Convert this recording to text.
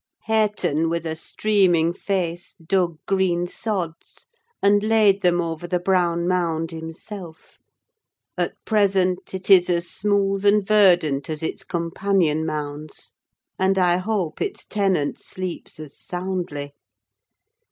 Hareton, with a streaming face, dug green sods, and laid them over the brown mould himself: at present it is as smooth and verdant as its companion mounds—and I hope its tenant sleeps as soundly.